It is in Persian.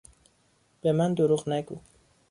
به من دروغ نگو!